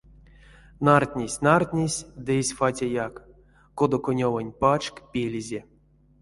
Нардтнесь, нардтнесь ды эзь фатяяк, кода конёвонть пачк пелизе.